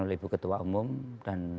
oleh ibu ketua umum dan